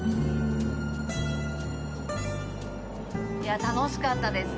いや楽しかったですね。